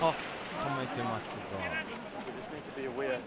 止めてますね。